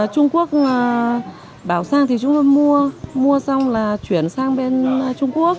trung quốc bảo sang thì chúng tôi mua mua xong là chuyển sang bên trung quốc